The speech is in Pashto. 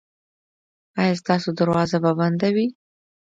ایا ستاسو دروازه به بنده وي؟